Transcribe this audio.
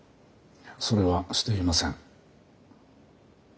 それはしていません。